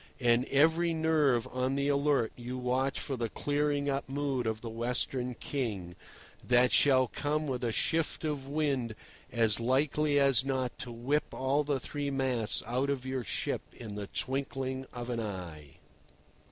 And every nerve on the alert you watch for the clearing up mood of the Western King, that shall come with a shift of wind as likely as not to whip all the three masts out of your ship in the twinkling of an eye.